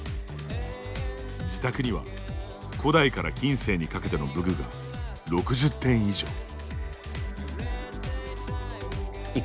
自宅には古代から近世にかけての武具が６０点以上。